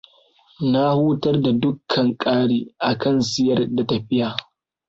Na hutar da dukkan kari akan siyar da tafiya.